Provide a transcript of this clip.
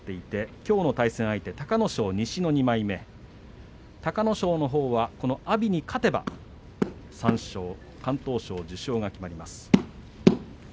きょうの相手隆の勝、西の２枚目隆の勝はこの阿炎に勝てば敢闘賞受賞が決まります。